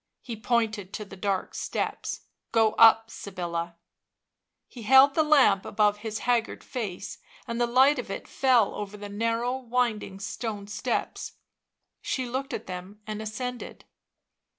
He pointed to the dark steps. 11 Go up, Sybilla." He held the lamp above his haggard face, and the light of it fell over the narrow winding stone steps ; she looked at them and ascended.